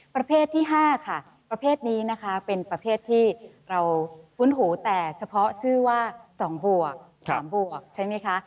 ประเภทที่๕ค่ะประเภทนี้นะคะเป็นประเภทที่เราคุ้นหูแต่เฉพาะชื่อว่า๒บวก๓บวกใช่ไหมคะ